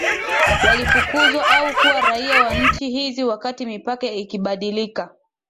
Walifukuzwa au kuwa raia wa nchi hizi wakati mipaka ikibadilika